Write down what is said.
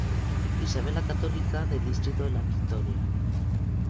Isabel La Católica, del distrito de La Victoria.